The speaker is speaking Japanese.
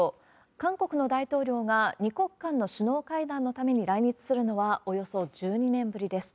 韓国の大統領が２国間の首脳会談のために来日するのは、およそ１２年ぶりです。